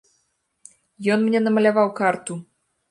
Ён мне намаляваў карту.